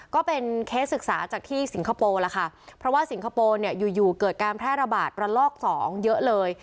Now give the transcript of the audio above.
ก็เป็นเคสศึกษาจากที่สิงคโปร์ล่ะค่ะเพราะว่าสิงคโปร์เนี่ยอยู่อยู่เกิดการแพร่ระบาดระลอกสองเยอะเลย